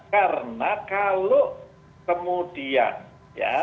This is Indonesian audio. karena kalau kemudian ya